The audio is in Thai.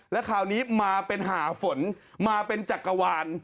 แล้วคราวนี้มาเป็นหาฝนมาเป็นจักรวาล